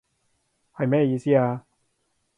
係乜嘢意思啊？